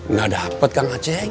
nggak dapet kang aceng